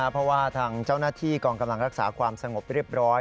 เพราะว่าทางเจ้าหน้าที่กองกำลังรักษาความสงบเรียบร้อย